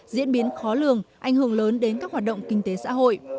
diễn biến khó lường ảnh hưởng lớn đến các hoạt động kinh tế xã hội